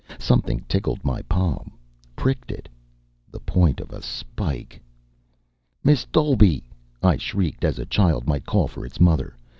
Something tickled my palm, pricked it. The point of a spike.... "Miss Dolby!" I shrieked, as a child might call for its mother.